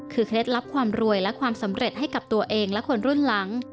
คือเคล็ดลับความรวยและความสำเร็จให้กับตัวเองและคนรุ่นหลัง